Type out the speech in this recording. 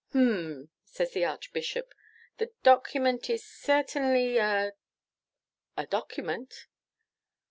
'H'm,' says the Archbishop, 'the document is certainly a a document.